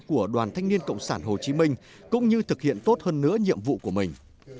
của đoàn thanh niên cộng sản hồ chí minh cũng như thực hiện tốt hơn nữa nhiệm vụ của mình